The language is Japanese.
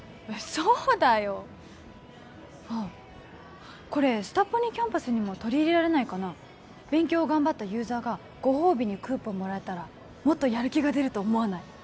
そうだよああこれスタポニキャンパスにも取り入れられないかな勉強を頑張ったユーザーがご褒美にクーポンもらえたらもっとやる気が出ると思わない？